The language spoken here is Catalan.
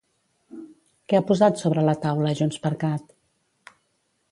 Què ha posat sobre la taula JxCat?